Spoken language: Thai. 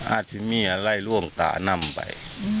อาจจะมีอะไรลวงตานำไป